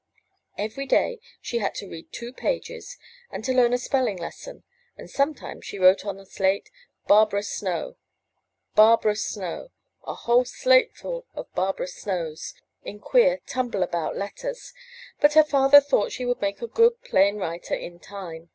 Every day she had to read two pages and to learn a spelling lesson, and sometimes she wrote on a slate '* Barbara Snow,'* ''Barbara Snow,*' — a whole slateful of Barbara Snows, in queer, tumble about letters, but her father thought she would make a good plain writer in time.